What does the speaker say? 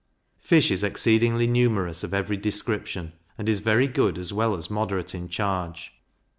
Fish is exceedingly numerous of every description, and is very good as well as moderate in charge.